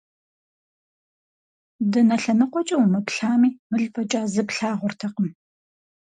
Дэнэ лъэныкъуэкӀэ умыплъами, мыл фӀэкӀа зы плъагъуртэкъым.